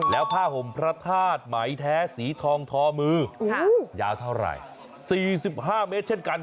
แล้วผ้าห่มพระธาตุไหมแท้สีทองทอมือยาวเท่าไหร่๔๕เมตรเช่นกัน